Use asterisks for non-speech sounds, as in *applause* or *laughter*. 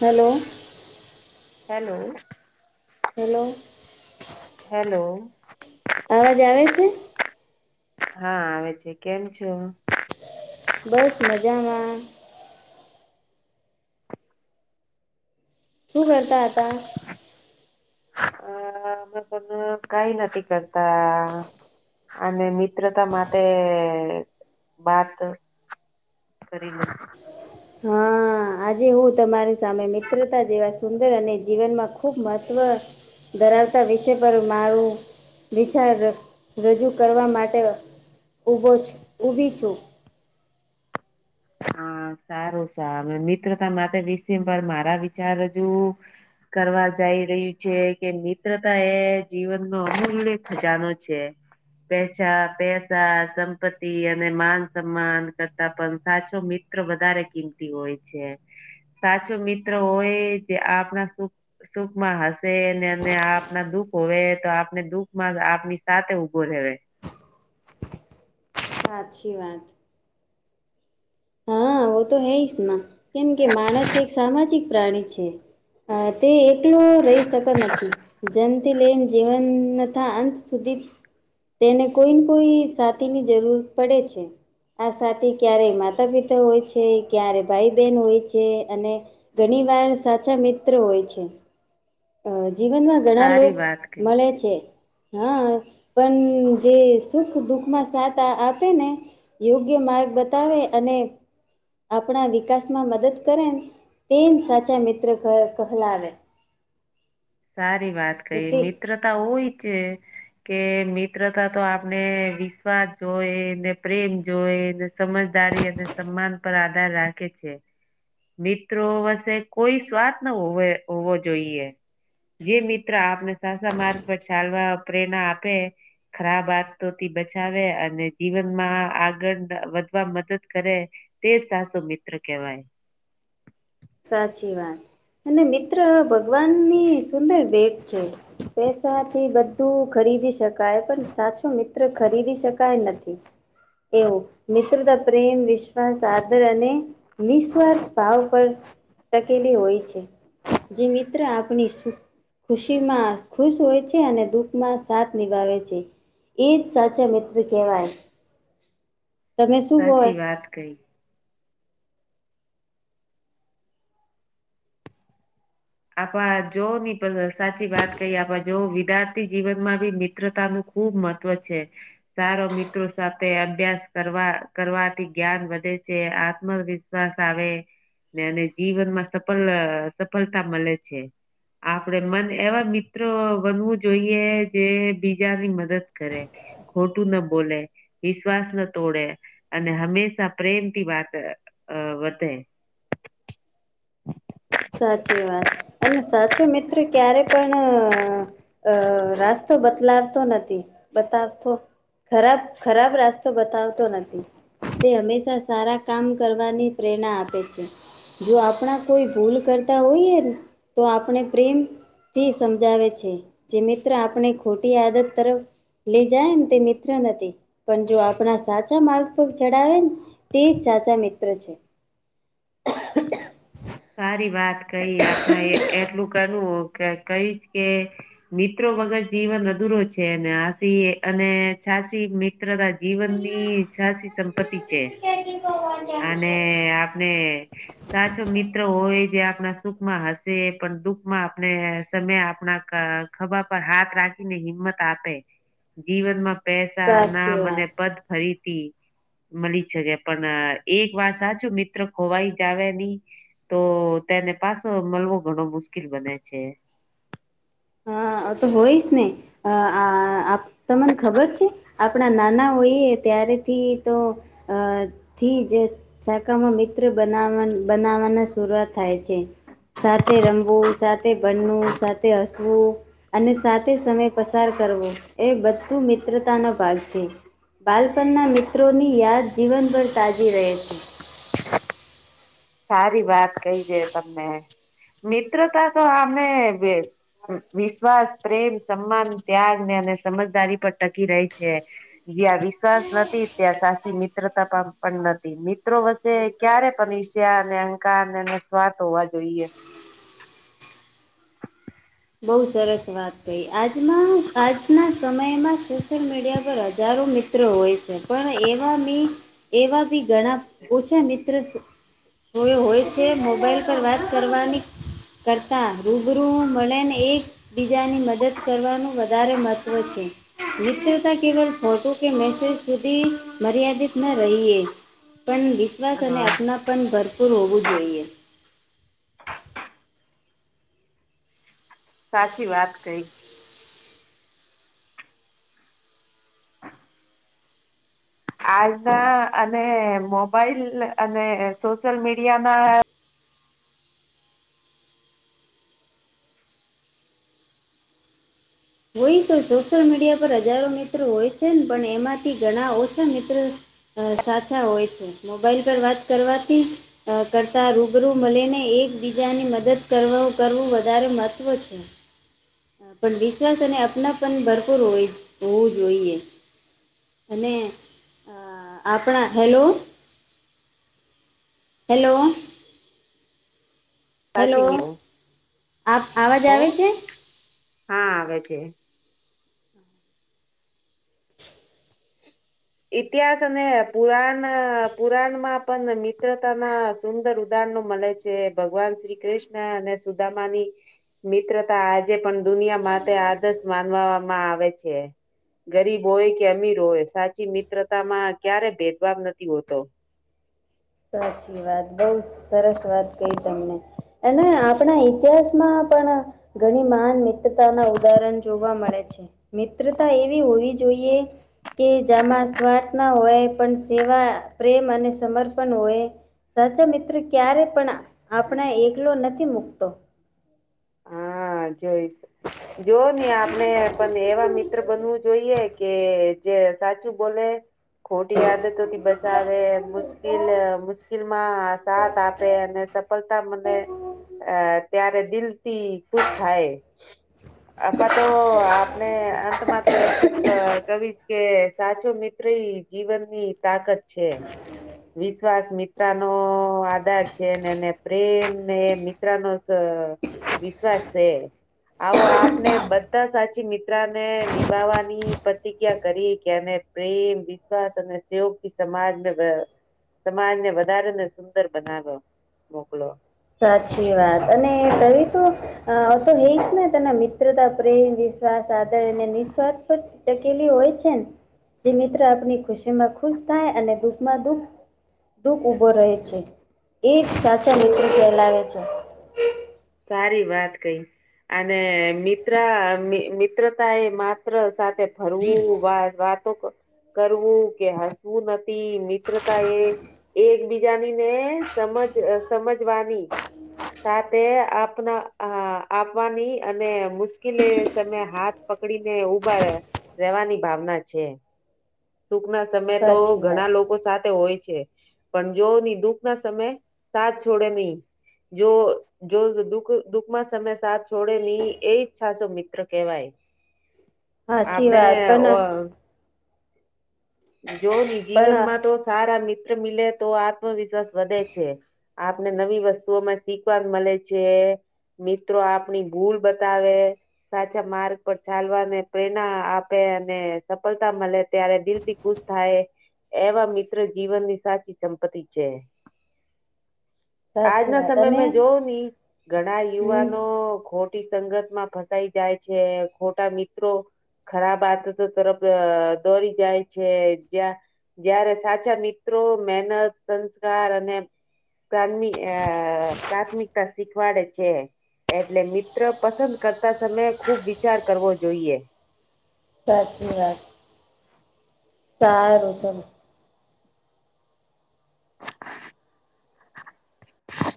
Hello. Hello. Hello. Hello. અવાજ આવે છે. હા આવે છે. કેમ છો. બસ મજામાં તું કરતા આ હતા. અ પણ કઈ નથી કરતા. અને મિત્રતા માટે વાત. કરી રીંગ હા આજે હું તમારી સામે મિત્રતા જેવા સુંદર અને જીવનમાં ખુબ મહત્વ. ધરાવતા વિષય પર મારું વિચાર રજૂ કરવા માટે ઉભો ઊભી છું હા સારું મિત્રતા માટે વિષેમાં મારા વિચાર હજુ. કરવા જઈ રહ્યું છે. કે મિત્રતા એ જીવનનો અમુલ્ય ખજાનો છે. પેચાન પૈસા સંપત્તિ અને માન સન્માન કરતા પણ, સાચો મિત્ર વધારે કિંમતી હોય છે. સાચો મિત્ર હોય જે આપણા સુખ, સુખમાં હશે ને અને આપના દુઃખ હોવે તો આપને દુઃખમાં આપની સાથે ઉભો રહે. સાચી વાત હા ઓ તો હૈ જ કેમ કે માણસ એક સામાજિક પ્રાણી છે. તે એકલો રહી શકતો નથી. જન્મથી લઈને જીવન તથા અંત સુધી તેને કોઈને કોઈ સાથીની જરૂર પડે છે. આ સાથી ક્યારેય માત્રા, માતા પિતા હોય છે. ક્યારે ભાઈ બહેન હોય છે. અને. ઘણી વાર સાચા મિત્ર હોય છે. જીવનમાં ઘણા સારી લોકો વાત કહી મળે છે. હા પણ જે સુખ દુઃખમાં સાથ આપે નેં યોગ્ય માર્ગ બતાવે અને આપણા વિકાસમાં મદદ કરે તે સાચા મિત્ર કહેવાશે સારી વાત કઈ મિત્રતા હોય છે. કે મિત્રતા તો આપણે વિશ્વાસ જોઈ ને પ્રેમ જોય સમજદારી અને સન્માન પર આધાર રાખે છે મિત્રો વસે કોઈ સ્વાદ ન હો હોવો જોઈએ જે મિત્ર આપને સાસા માર્ગ પર ચાલવા પ્રેરણા આપે ખરાબ આતોથી બચાવે અને જીવનમાં આગળ વધવા મદદ કરે તે જ સાસો મિત્ર કેવાય સાચી વાત અને મિત્ર ભગવાન ની સુંદર ભેટ છે પેસાથી બધું ખરીદી શકાય પણ સાચો મિત્ર ખરીદી શકાય નથી એવું મિત્રતા પ્રેમ વિશ્વાસ આદર અને નિસ્વાર્થ ભાવ પર ટકેલી હોય છે જે મિત્ર આપણી સુ ખુશી માં ખુશ હોય છે અને દુઃખમાં સાથ નિભાવે છે એ જ સાચા મિત્ર કહેવાય તમે શું હોય સાચી વાત કઈ આપ જો ની સાચી વાત કહી આપ જો વિદ્યાર્થી જીવનમાં બી મિત્રતા ન ખુબ મહત્વ છે સારો મિત્રો સાથે અભ્યાસ કરવા કરવાથી જ્ઞાન વધે છે આત્મ વિશ્વાસ આવે ને અને જીવનમાં સફ સફળતા મળે છે આપડે મન એવા મિત્રો બનવું જોઈએ જે બીજાની મદદ કરે ખોટું ન બોલે વિશ્વાસ ન તોડે અને હંમેશા પ્રેમ થી વાત વધે સાચી વાત અને સાચો મિત્ર ક્યારે પણ અ રાસ્તો બતલાવતો નથી બતાવતો ખરાબ ખરાબ રાસ્તો બતાવતો નથી તે હંમેશા સારા કામ કરવાની પ્રેરણા આપે છે જો આપણા કોઈ ભૂલ કરતા હોઈએને તો આપણે પ્રેમ તે સમજાવે છે જે મિત્ર આપણે ખોટી આદત તરફ લઈ જાય ને તે મિત્ર નથી પણ જો આપણા સાચા માર્ગ ચડાવે તે ચાચા મિત્ર છે સારી વાત કહી આપણે એટલું કરવું કે કહી કે મિત્રો વગર જીવન અધુરો છે અને હાસી અને છાસી મ જીવન ની છાસી સંપત્તિ છે અને આપણે સાચો મિત મ હોય જે આપણા સુખ માં હશે પણ દુઃખ માં આપણે સમય આપણા ખભા પર હાથ રાખીને હિંમત આપે જીવનમાં પૈસા ના સાચી વાત મને પદ ફરી હતી મળી શકે પણ એક વાર સાચું મિત્ર ખોવાઈ જાવ નહી તો તેને પાછો મળવો ઘણો મુશ્કેલ બને છે હ તો હોયશ ને આ તમને ખબર છે આપણા નાના હોય ત્યારેથી તો અ થી જ શાકામાં મિત્ર બના બનાવવાના શરૂઆત થાય છે સાથે રમવું, સાથે ભનવું, સાથે હસવું અને સાથે સમય પસાર કરવો એ બધું મિત્રતાનો ભાગ છે. બાલપણના મિત્રોની યાદ જીવનભર તાજી રહે છે. સારી વાત કઈ છે તમને મિત્રતા તો આમે બે વિશ્વાસ પ્રેમ, સન્માન, ત્યાગ અને સમજદારી પર ટકી રહી છે. જ્યાં વિશ્વાસ નથી ત્યાં સાચી મિત્રતા પણ નથી મિત્રો વચ્ચે ક્યારે પણ *unintelligible* બહુ સરસ વાત કહી આજમાં આજના સમયમાં સોશિયલ મીડિયા પર હજારો મિત્ર હોય છે પણ એવા બી એવા બી ઘણા ઓછા મિત્ર જોયો હોય છે મોબાઈલ પર વાત કરવાની કરતા રૂ ગુરુઓ મળેને એકબીજાની મદદ કરવાનું વધારે મહત્ત્વ છે. મિત્રતા કેવલ ફોટો કે મેસેજ સુધી મર્યાદિત ન રહીએ. પણ વિશ્વાસ અને હા અપનાપન ભરપૂર હોવું જોઈએ. સાચી વાત કઈ. આજના અને મોબાઈલ અને સોશિયલ મીડિયા ના હોય તો સોશિયલ મીડિયા પર હજારો મિત્ર હોય છે પણ એમાંથી ઘણા ઓછા મિત્ર સાચા હોય છે મોબાઈલ પર વાત કરવાથી.. કરતા રૂબરૂ મળીને એકબીજાની મદદ કરવું વધારે મહત્વ છે. પણ વિશ્વાસ અને અપનાપન ભરપૂર હોય હોવું જોઈએ. અને આપણા હેલો હેલો. હેલો સાચી મિ આપ આવાજ આવે છે. હા આવે છે. *inaudible* ઇતિહાસ અને પુરાણમાં પુરાણમાં પણ મિત્રતા ના સુંદર ઉદાહરણો મળે છે. ભગવાન શ્રી કૃષ્ણ અને સુદામાની મિત્રતા આજે પણ દુનિયા માટે આદર્શ માનવામાં આવે છે ગરીબ હોય કે અમીર હોય સાચી મિત્રતા માં ક્યારે ભેદભાવ નથી હોતો. સાચી વાત બહુ સરસ વાત કઈ તમને. અને આપણા ઇતિહાસ માં પણ ઘણી મહાન મિત્રતા ના ઉદાહરણ જોવા મળે છે. મિત્રતા એવી હોવી જોઈએ. કે જામાં સ્વાર્થ ન હોય પણ સેવા પ્રેમ અને સમર્પણ હોય સાચો મિત્ર ક્યારે પણ આપણને એકલો નથી મૂકતો. હા જોઈશ જોવો ને આપણે પણ એવા મિત્ર બનવું જોઈએ કે જે સાચું બોલે, ખોટી આદતોથી બચાવે, મુશ્કેલ મુશ્કેલમાં સાથ આપે અને સફળતા મળે ત્યારે દિલથી ખુશ થાય. આપ તો આપણે અંતમાં તો એટલું જ કવીશ કે સાચો મિત્ર ઈ જીવનની તાકાત છે. વિશ્વાસ મિત્ર નો આધાર છે ને પ્રેમ ને એ મિત્રનો *unintelligible* આવો આપને બધા સાચી મિત્ર ને નિભાવવાની પ્રતિક્રિયા કરી કેને પ્રેમ વિશ્વાસ અને સગાથી સમાજને સમાજને વધારે ને સુંદર બનાવો મોકલો. સાચી વાત અને તમે તો તો હઈશ ને તેના મિત્રતા પ્રેમ વિ વિશ્વાસ આને નિઃસ્વાથ ટકેલી હોય છે જે મિત્ર આપની ખુશી માં ખુશ થાય અને દુઃખ માં દુઃખ દુઃખ ઊભો રહેે છે એ જ સાચા મિત્રો કહેલાવે છે. સારી વાત કઈ અને મિત્ર મિત્રતા એ મા. સાથે ફરવું વાતો કરવું કે. શું નથી મિત્રતા એ. એકબીજાની ને સમજ સમજવાની સાથે. આપના આપવાની અને. મુશ્કેલી સમમે હાથ પકડી ને ઉભા રેવાની ભાવના છે. સુૂક ના સમય તો સાચી વાત ઘણા લોકો સાથે હોય છે. પણ જો ની દુઃખ ના સમય સાજ છોડે નહી જો. જો દુઃખ દુઃખ માં સમય સાથ છોડે ની એ જ સાચો મિત્ર કેવાય. સાચી આપડે વાત ઓ. પણ જો ની પણ જીવન માં તો સારા મિત્ર મિલે. તો આત્મવિશ્વાસ વધે છે આપને નવી વસ્તુઓમાં શીખવા મળે છે. મિત્રો આપણી ભૂલ બતાવે. સાચા માર્ગ પર ચાલવાને પ્રેરણા આપે અને સફળતા મળે ત્યારે દિલથી. ખુશ થાય એવા મિત્ર જીવનની સાચી સંપત્તિ છે. સાચી આજના વાત સમય અને મેં જોવ ની ઘણા હમ યુવાનો ખોટ. ખટી સંગતમાં ફસાઈ જાય છે ખોટા મિત્રો. ખરાબ આત તો તરત દોરી જાય. છે જ્યા જયારે સાચા મિત્રો મહેનત સંસ્કાર અને, પ્રામ આ પ્રાથમિકતા શીખવાડ છે. એટલે મિત્ર પસંદ કરતા સમયે ખુબ વિચાર કરવો જોઈએ. સાચવી વાત સારું ત.